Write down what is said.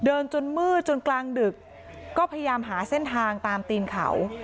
จนมืดจนกลางดึกก็พยายามหาเส้นทางตามตีนเขา